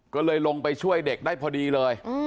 ก็เลยลงไปช่วยเด็กได้พอดีเลย